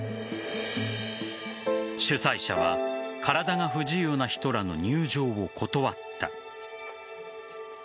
主催者は体が不自由な人らの入場を断った。